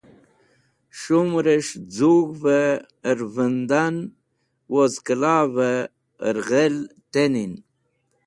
S̃humrẽs̃h zug̃hvẽ ẽr vẽndan woz kẽlavẽ ẽr ghel tẽnin.